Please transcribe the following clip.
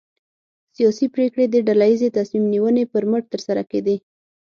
سیاسي پرېکړې د ډله ییزې تصمیم نیونې پر مټ ترسره کېدې.